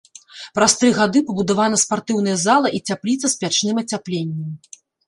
Праз тры гады пабудавана спартыўная зала і цяпліца з пячным ацяпленнем.